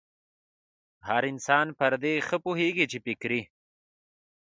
هر انسان پر دې ښه پوهېږي چې فکري